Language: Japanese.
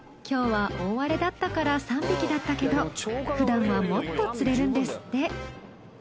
今日は大荒れだったから３匹だったけどふだんはもっと釣れるんですって。